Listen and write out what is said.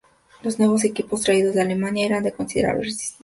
Los nuevos equipos, traídos de Alemania, eran de considerable resistencia.